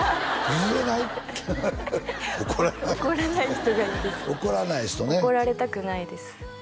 怒らない人がいいです怒らない人ね怒られたくないです